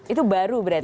itu baru berarti